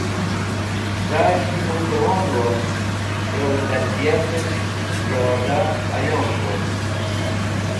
Zas̃h ki naw jẽwon wost yo tẽrbiyats̃h ziyoda ẽyon wost